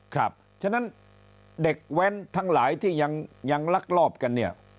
ฉะนั้นเด็กแว้นทั้งหลายที่ยังลักลอบกันเนี่ย